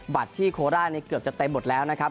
บัตรที่โคลร้านี้เกือบจะไตบดแล้วนะครับ